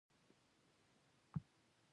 مورغاب سیند د افغانستان د طبیعت برخه ده.